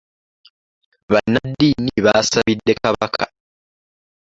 Bannaddiini baasabidde Kabaka.